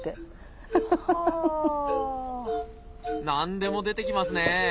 何でも出てきますね。